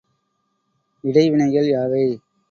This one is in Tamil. இடை வினைகள் யாவை?